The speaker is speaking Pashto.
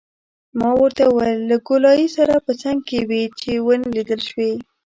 ما ورته وویل: له ګولایي سره په څنګ کې وې، چې ونه لیدل شوې.